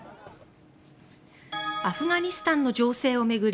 アフガニスタンの情勢を巡り